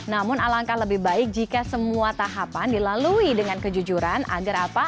namun alangkah lebih baik jika semua tahapan dilalui dengan kejujuran agar apa